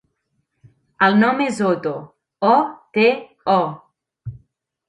El nom és Oto: o, te, o.